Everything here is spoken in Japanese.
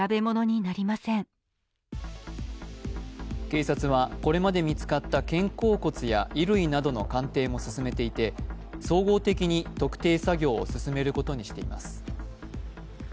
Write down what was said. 警察は、これまで見つかった肩甲骨や衣類などの鑑定も進めていて、総合的に特定作業を進めることにしています。